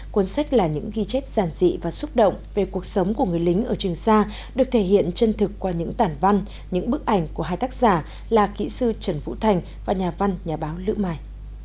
cuốn sách là những ghi chép giàn dị và xúc động về cuộc sống của người lính ở trường sa được thể hiện chân thực qua những tản văn những bức ảnh của hai tác giả là kỹ sư trần vũ thành và nhà văn nhà báo lữ mai